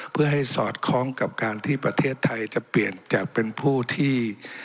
เพื่อให้สอดคล้องกับการที่ประเทศไทยจะเปลี่ยนจากเป็นผู้ที่